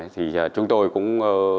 thì chúng tôi cũng